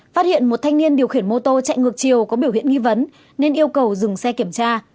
phát hiện một thanh niên điều khiển mô tô chạy ngược chiều có biểu hiện nghi vấn nên yêu cầu dừng xe kiểm tra